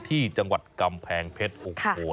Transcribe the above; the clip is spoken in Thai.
ที่จังหวัดกำแผงเพชร